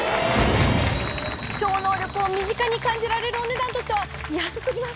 超能力を身近に感じられるお値段としては安すぎます。